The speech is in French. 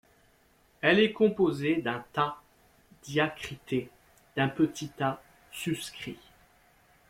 Elle est composée d’un tāʾ diacrité d’un petit tāʾ suscrit.